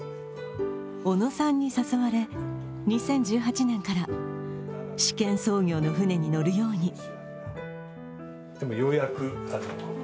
小野さんに誘われ、２０１８年から試験操業の船に乗るように。